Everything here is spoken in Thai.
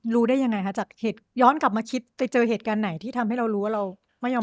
รู้ได้ยังไงค่ะย้อนกลับมาคิดแต่เจอเหตุการณ์ไหนที่ทำให้เรารู้ว่าเราไม่ยอมรับความจริง